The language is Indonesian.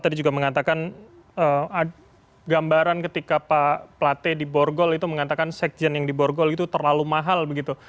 tadi juga mengatakan gambaran ketika pak plate di borgol itu mengatakan sekjen yang di borgol itu terlalu mahal begitu